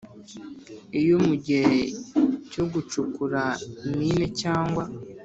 Iyo mu gihe cyo gucukura mine cyangwa